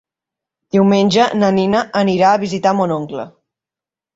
Diumenge na Nina anirà a visitar mon oncle.